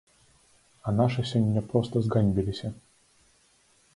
А нашы сёння проста зганьбіліся.